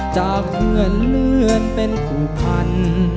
จากเพื่อนเลื่อนเป็นผู้พัน